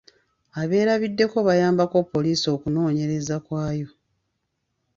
Abeerabiddeko bayambako poliisi kunoonyereza kwayo.